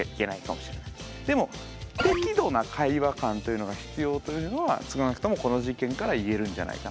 でも適度な会話感というのが必要というのは少なくともこの実験から言えるんじゃないかな。